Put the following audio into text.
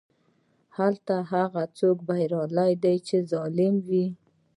هلته هغه څوک بریالی دی چې ظالم وي.